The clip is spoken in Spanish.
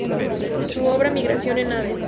Su obra "Migración en aves.